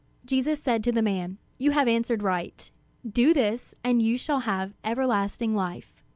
Jesus said to the man: "You have answered right; do this, and you shall have everlasting life."